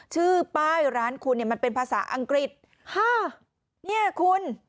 ชื่อป้ายร้านคุณเนี่ยมันเป็นภาษาอังกฤษห้าเนี่ยคุณ